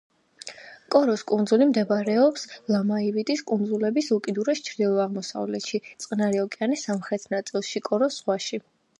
კოროს კუნძული მდებარეობს ლომაივიტის კუნძულების უკიდურეს ჩრდილო-აღმოსავლეთში, წყნარი ოკეანის სამხრეთ ნაწილში, კოროს ზღვაში.